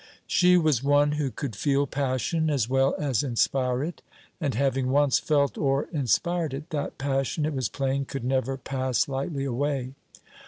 She was one who could feel passion as well as inspire it, and having once felt or inspired it, that passion, it was plain, could never pass lightly away.